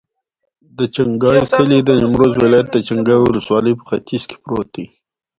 د چنګای کلی د نیمروز ولایت، چنګای ولسوالي په ختیځ کې پروت دی.